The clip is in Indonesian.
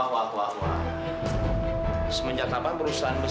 gue nggak mau kasih harapan sama kamu